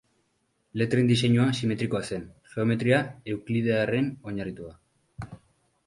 Letren diseinua simetrikoa zen, geometria euklidearrean oinarritua.